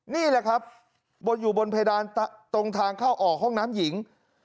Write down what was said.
นี่แหละครับบนอยู่บนเพดานตรงทางเข้าออกห้องน้ำหญิง